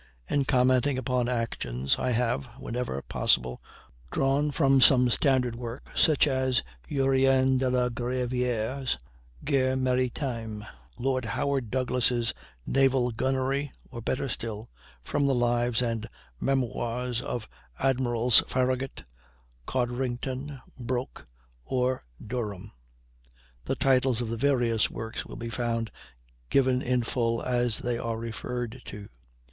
In commenting upon the actions, I have, whenever possible, drawn from some standard work, such as Jurien de la Gravière's "Guerres Maritimes," Lord Howard Douglass' "Naval Gunnery," or, better still, from the lives and memoirs of Admirals Farragut, Codrington, Broke, or Durham. The titles of the various works will be found given in full as they are referred to.